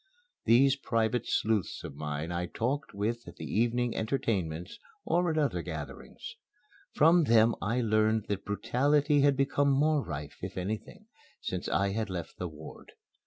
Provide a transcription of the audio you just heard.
These private sleuths of mine I talked with at the evening entertainments or at other gatherings. From them I learned that brutality had become more rife, if anything, since I had left the ward.